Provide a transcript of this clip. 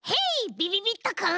びびびっとくん。